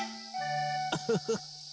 ウフフ。